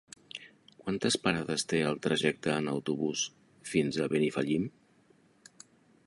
Quantes parades té el trajecte en autobús fins a Benifallim?